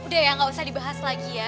udah ya nggak usah dibahas lagi ya